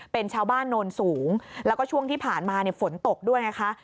เป็นชาวบ้านโนนสูงแล้วก็ช่วงที่ผ่านมาฝนตกด้วยไงคะ